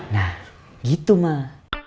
nah gitu mah